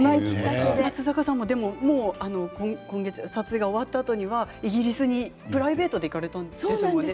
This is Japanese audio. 松坂さんも撮影が終わったあとにはイギリスにプライベートで行かれたんですものね。